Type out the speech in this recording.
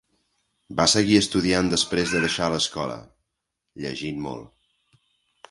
Va seguir estudiant després de deixar l'escola, llegint molt.